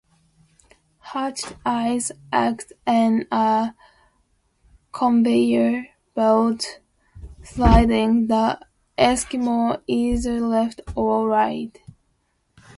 Hatched ice acts as a conveyor belt sliding the Eskimo either left or right.